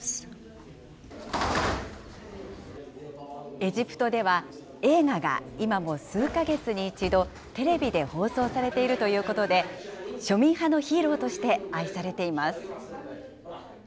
エジプトでは、映画が今も数か月に１度、テレビで放送されているということで、庶民派のヒーローとして愛されています。